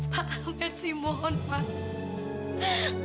pak mersi mohon pak